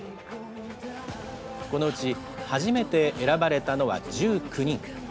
このうち、初めて選ばれたのは１９人。